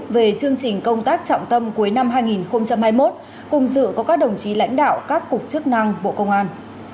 về chương trình công tác trọng tâm cuối năm hai nghìn hai mươi một cùng dự có các đồng chí lãnh đạo các cục chức năng bộ công an